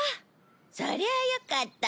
そりゃあよかった！